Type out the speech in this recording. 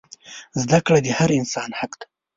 زده کړه د هر انسان حق دی.